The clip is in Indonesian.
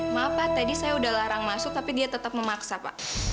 maaf pak tadi saya sudah larang masuk tapi dia tetap memaksa pak